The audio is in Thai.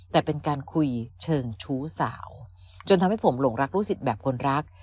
แต่เป็นการคุยเชิงชู้สาวจนทำให้ผมหลงรักลูกศิษย์แบบคนรัก